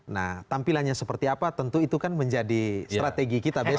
nah tampilannya seperti apa tentu itu kan menjadi strategi kita besok